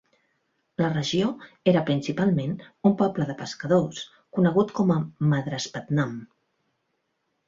La regió era principalment un poble de pescadors conegut com a "Madraspatnam".